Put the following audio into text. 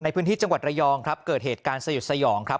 ที่จังหวัดระยองครับเกิดเหตุการณ์สยดสยองครับ